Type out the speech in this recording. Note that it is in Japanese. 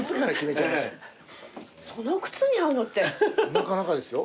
なかなかですよ。